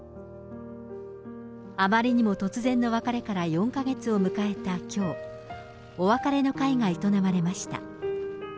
あまりにも突然の別れから４か月を迎えたきょう、お別れの会が営まれました。